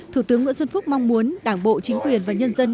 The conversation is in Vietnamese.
thủ tướng nguyễn xuân phúc mong muốn đảng bộ chính quyền và nhân dân